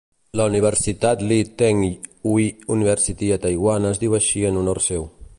La Universitat Lee Teng-Hui University a Taiwan es diu així en honor seu.